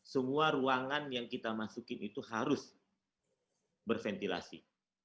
semua ruangan yang kita masukin itu harus berventilasi